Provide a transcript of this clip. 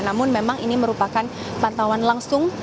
namun memang ini merupakan pantauan langsung